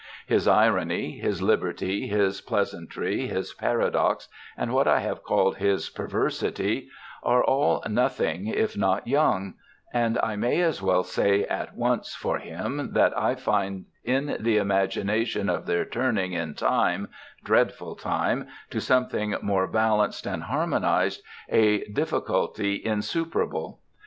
His irony, his liberty, his pleasantry, his paradox, and what I have called his perversity, are all nothing if not young; and I may as well say at once for him that I find in the imagination of their turning in time, dreadful time, to something more balanced and harmonised, a difficulty insuperable.